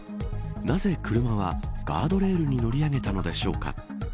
なぜ車はカードレールに乗り上げたのでしょうか。